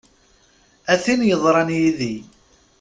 A tin yeḍran yid-i!